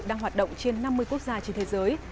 đang hoạt động trên năm mươi quốc gia trên thế giới